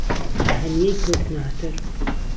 له ههنیەی کهوتنه ههتەر